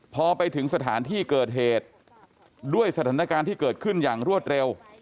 พอไปถึงสถานที่เกิดเหตุด้วยสถานการณ์ที่เกิดขึ้นอย่างรวดเร็ว